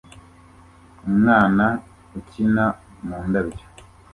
Umwana ukina mu ndabyo